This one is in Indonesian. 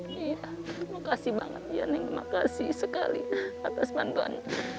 iya makasih banget neng makasih sekali atas bantuan